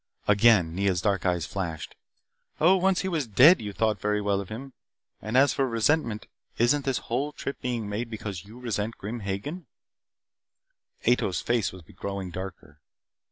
Again Nea's dark eyes flashed. "Oh, once he was dead you thought very well of him. And as for resentment, isn't this whole trip being made because you resent Grim Hagen " Ato's face was growing darker.